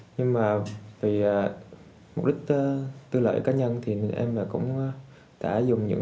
nhưng mà vì mục đích tư lợi cá nhân thì em là cũng đã dùng những